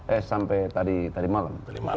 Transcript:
eh sampai tadi malam